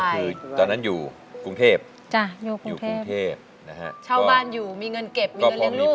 อันนั้นก็คือตอนนั้นอยู่กรุงเทพฯชาวบ้านอยู่มีเงินเก็บมีเงินเลี้ยงลูก